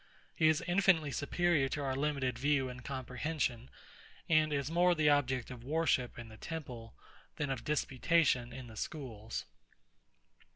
He is infinitely superior to our limited view and comprehension; and is more the object of worship in the temple, than of disputation in the schools.